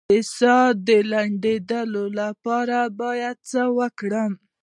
د ساه د لنډیدو لپاره باید څه وکړم؟